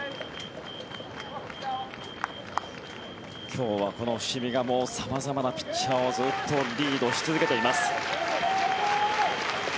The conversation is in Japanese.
今日はこの伏見が様々なピッチャーをずっとリードし続けています。